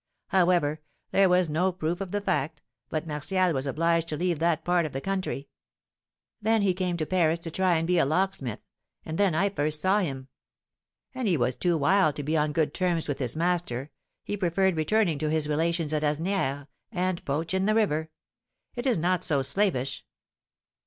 However, there was no proof of the fact, but Martial was obliged to leave that part of the country. Then he came to Paris to try and be a locksmith, and then I first saw him. As he was too wild to be on good terms with his master, he preferred returning to his relations at Asnières, and poach in the river; it is not so slavish.